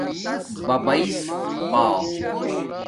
ببایس پا